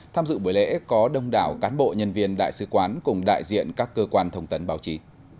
tham dự buổi lễ có đông đảo cán bộ nhân viên đại sứ quán cùng đại diện các cơ quan thông tấn báo chí